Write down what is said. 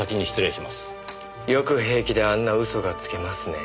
よく平気であんな嘘がつけますね。